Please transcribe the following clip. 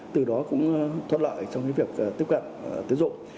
từ đó cũng thoát lợi trong cái việc tiếp cận tiến dụng